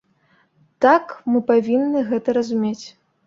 Так мы павінны гэта разумець.